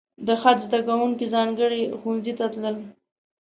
د خط زده کوونکي ځانګړي ښوونځي ته تلل.